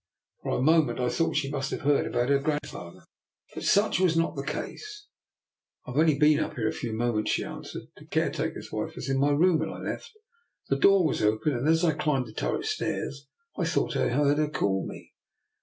For a moment I thought she must have heard about her great grandfather, but such was not the case. *' I have only been up here a few mo ments," she answered. " The caretaker's wife was in my room when I left. The door was open, and as I climbed the turret stairs, I thought I heard her call me.